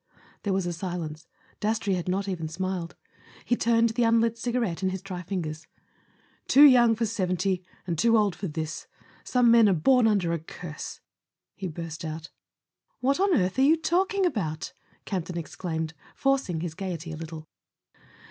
.." There was a silence; Dastrey had not even smiled. He turned the unlit cigarette in his dry fingers. "Too young for 'seventy—and too old for this ! Some men are born under a curse," he burst out. "W T hat on earth are you talking about?" Campton exclaimed, forcing his gaiety a little.